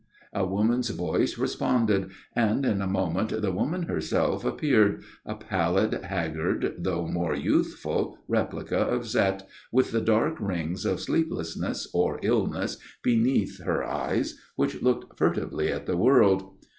A woman's voice responded, and in a moment the woman herself appeared, a pallid, haggard, though more youthful, replica of Zette, with the dark rings of sleeplessness or illness beneath her eyes which looked furtively at the world.